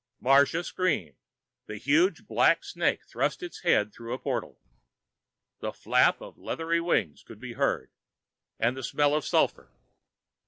Marsha screamed. The huge black snake thrust its head through a portal. And the flap of leathery wings could be heard. And the smell of sulphur.